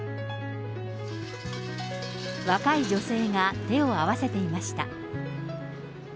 若い女性が手を合わせていました。